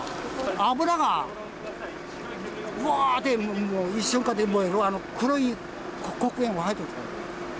油がぶわーって、もう一瞬で燃える、黒い黒煙が出ていた。